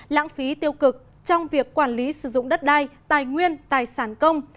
lãng phí tiêu cực trong việc quản lý sử dụng đất đai tài nguyên tài sản công